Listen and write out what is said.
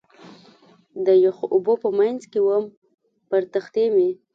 د یخو اوبو په منځ کې ووم، پر تختې مې.